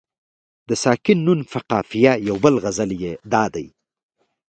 د ساکن نون په قافیه یو بل غزل یې دادی.